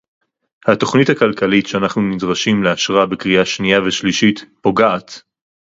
התוכנית הכלכלית שאנחנו נדרשים לאשרה בקריאה שנייה ושלישית פוגעת